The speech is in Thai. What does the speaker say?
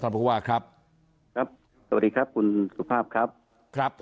ผู้ว่าครับครับสวัสดีครับคุณสุภาพครับครับ